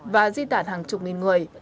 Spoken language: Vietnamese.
và di tản hàng chục nghìn người